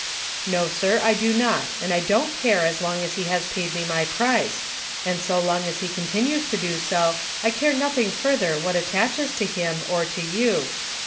"Xo, sir, I do not, and I don't care as long as he has paid me my price ; and so long as he continues to do so, I care nothing further what attaches to him, or to you.